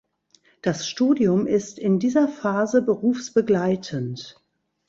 Das Studium ist in dieser Phase berufsbegleitend.